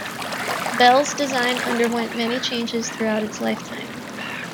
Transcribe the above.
Belle's design underwent many changes throughout its lifetime.